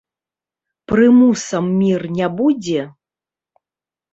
Прымусам мір не будзе?